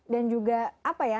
dan juga apa ya